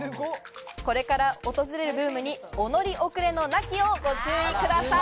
これから訪れるブームにお乗り遅れのなきよう、ご注意ください。